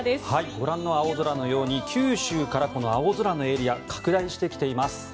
ご覧の青空のように九州からこの青空のエリア拡大してきています。